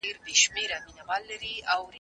زه غواړم چې د سبو مصرف زیات کړم.